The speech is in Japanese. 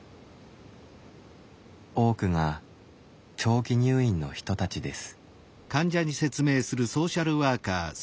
多くが長期入院の人たちです。